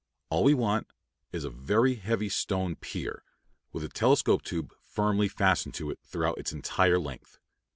All we want is a very heavy stone pier, with a telescope tube firmly fastened to it throughout its entire length.